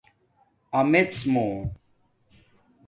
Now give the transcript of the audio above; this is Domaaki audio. آمڎمُو